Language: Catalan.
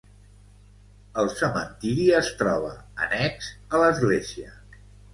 El cementiri es troba annex a l'església.